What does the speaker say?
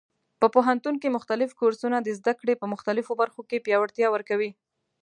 په پوهنتون کې مختلف کورسونه د زده کړې په مختلفو برخو کې پیاوړتیا ورکوي.